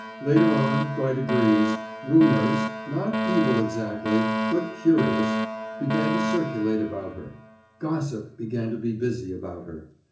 Later on, by degrees, rumours not evil exactly, but curious began to circulate about her; gossip began to be busy about her.